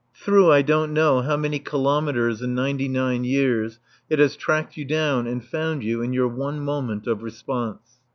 Through I don't know how many kilometres and ninety nine years it has tracked you down and found you in your one moment of response.